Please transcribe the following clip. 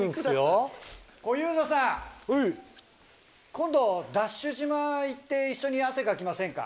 今度ＤＡＳＨ島行って一緒に汗かきませんか？